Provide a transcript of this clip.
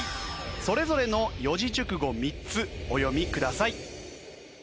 それぞれの四字熟語３つお読みください。